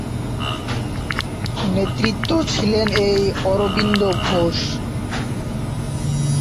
নেতৃত্ব ছিলেন এই অরবিন্দ ঘোষ।